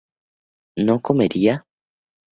¿no comería?